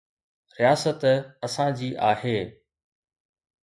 رياست اسان جي آهي.